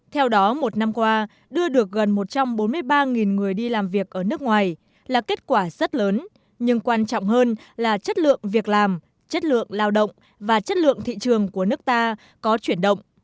theo đó một năm qua đưa được gần một trăm bốn mươi ba người đi làm việc ở nước ngoài là kết quả rất lớn nhưng quan trọng hơn là chất lượng việc làm chất lượng lao động và chất lượng thị trường của nước ta có chuyển động